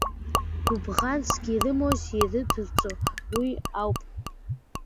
Гәыбӷансгьы ирымоузеи, ирдырҵо уи ауп!